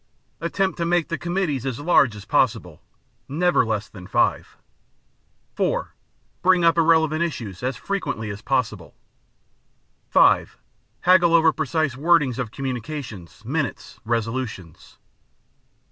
Attempt to make the committees as large as possible—never less than five. (4) Bring up irrelevant issues as frequently as possible. (5) Haggle over precise wordings of communications, minutes, resolutions.